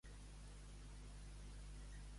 El cinc és per al rei.